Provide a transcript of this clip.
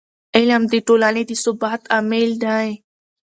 علم د ټولنې د ثبات عامل دی.